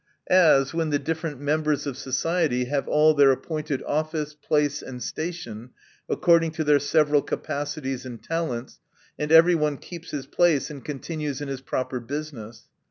As, when the dhTerent members of society have all their appointed office, place and station, according to their several capacities and talents, and every one keeps his place, and continues in his proper business.